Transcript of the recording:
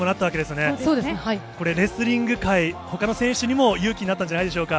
これ、レスリング界、ほかの選手にも勇気になったんじゃないでしょうか。